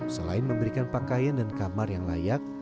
selain memberikan pakaian dan kamar yang layak